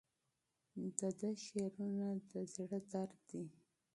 د ده شعرونه د زړه درد دی.